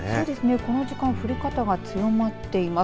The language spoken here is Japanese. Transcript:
この時間降り方が強まっています。